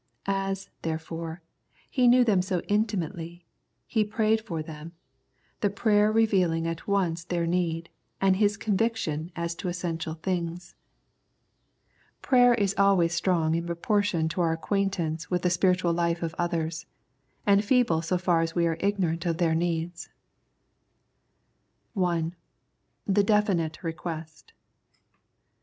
As, there fore, he knew them so intimately, so he prayed for them, the prayer revealing at once their need, and his conviction as to essential things. 127 The Prayers of St. Paul Prayer is always strong in proportion to our acquaintance with the spiritual life of others, and feeble so far as we are ignorant of their needs. I. The Definite Request.